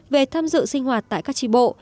về tham dự sinh hoạt tại các trị bộ